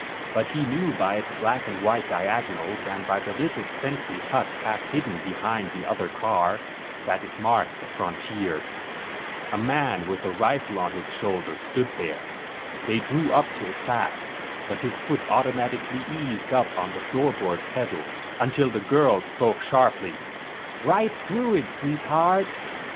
But he knew by its black and white diagonals and by the little sentry hut half hidden behind the other car that it marked the frontier. A man with a rifle on his shoulder stood there. They drew up to it fast, but his foot automatically eased up on the floorboard pedal until the girl spoke sharply. "Right through it, Sweetheart."